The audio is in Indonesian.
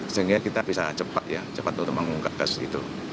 sehingga kita bisa cepat ya cepat untuk mengungkap kasus itu